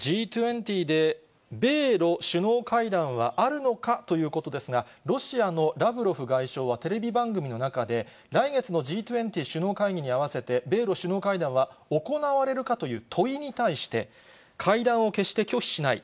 Ｇ２０で米ロ首脳会談はあるのかということですが、ロシアのラブロフ外相はテレビ番組の中で、来月のＧ２０首脳会議に合わせて、米ロ首脳会談は行われるかという問いに対して、会談を決して拒否しない。